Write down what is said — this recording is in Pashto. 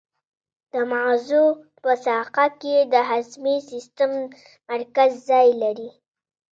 د مغزو په ساقه کې د هضمي سیستم مرکز ځای لري.